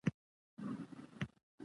اداره د قانوني چوکاټ دننه فعالیت کوي.